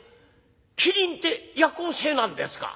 「キリンって夜行性なんですか？」。